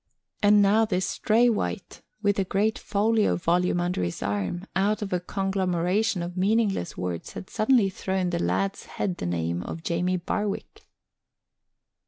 And now this stray wight, with a great folio volume under his arm, out of a conglomeration of meaningless words had suddenly thrown at the lad's head the name of Jamie Barwick.